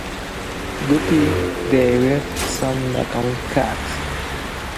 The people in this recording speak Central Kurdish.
گوتی دەیەوێت قسەم لەگەڵ بکات .